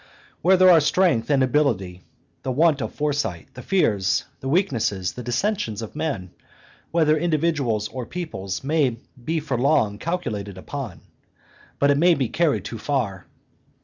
Where there are strength and ability, the want of foresight, the fears, the weaknesses, the dissensions of men, whether individuals or peoples, may be for a long while calculated upon; but it may be carried too far.